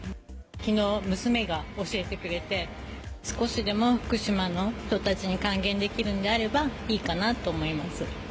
きのう、娘が教えてくれて、少しでも福島の人たちに還元できるんであれば、いいかなと思いま